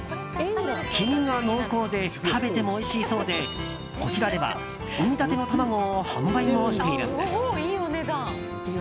黄身が濃厚で食べてもおいしいそうでこちらでは産みたての卵を販売もしているんです。